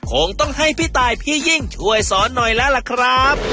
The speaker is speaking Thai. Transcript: คงต้องให้พี่ตายพี่ยิ่งช่วยสอนหน่อยแล้วล่ะครับ